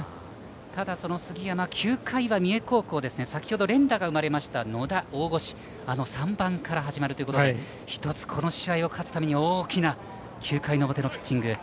ただ、９回は三重高校先程連打が生まれました野田、大越３番から始まるということで１つ、この試合に勝つために大きな９回の表のピッチング。